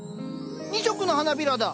２色の花びらだ。